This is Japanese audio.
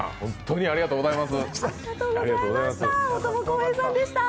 ありがとうございます。